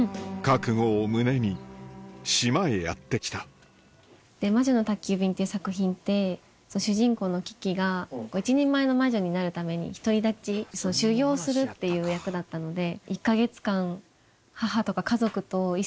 覚悟を胸に島へやって来た『魔女の宅急便』っていう作品って主人公のキキが一人前の魔女になるためにひとり立ち修行するっていう役だったので。